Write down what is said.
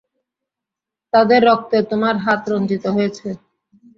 তাদের রক্তে তোমার হাত রঞ্জিত হয়েছে।